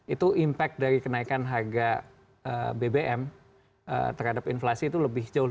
itu impact dari kenaikan harga bbm terhadap inflasi itu lebih jauh